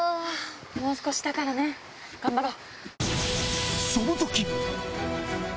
もう少しだからね頑張ろう！